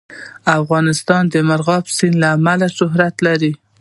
افغانستان د مورغاب سیند له امله شهرت لري.